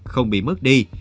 không bị mất đi